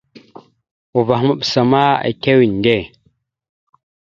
Uvah maɓəsa ma etew inde.